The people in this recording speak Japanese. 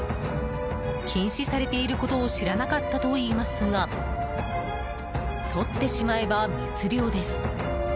禁止されていることを知らなかったといいますがとってしまえば密漁です。